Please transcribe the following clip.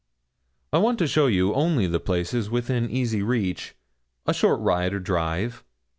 'I want to show you only the places within easy reach a short ride or drive.'